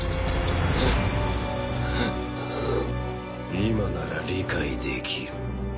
今なら理解できる。